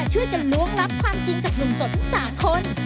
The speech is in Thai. ช่วยกันล้วงลับความจริงจากหนุ่มโสดทั้ง๓คน